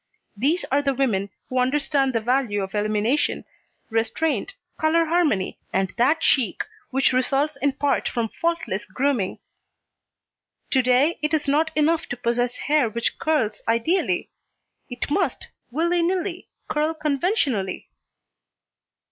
These are the women who understand the value of elimination, restraint, colour harmony and that chic which results in part from faultless grooming. To day it is not enough to possess hair which curls ideally: it must, willy nilly, curl conventionally!